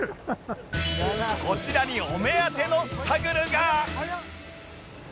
こちらにお目当てのスタグルが